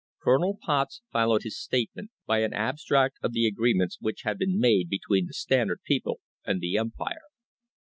Colonel Potts followed his statement by an abstract of the agreements which had been made between the Standard people and the Empire.